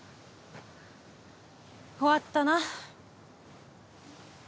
終わったな。